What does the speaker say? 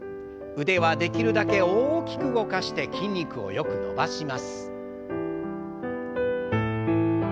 腕はできるだけ大きく動かして筋肉をよく伸ばします。